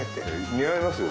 似合いますよ